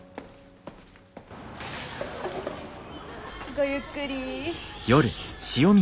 ごゆっくり。